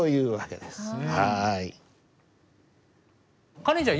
カレンちゃん